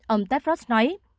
ông tepros nói